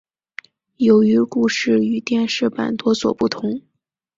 由于故事与电视版多所不同。